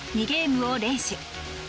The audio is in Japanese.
ゲームを連取。